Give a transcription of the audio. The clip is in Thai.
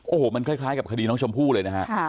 โอ้โหมันคล้ายกับคดีน้องชมพู่เลยนะฮะ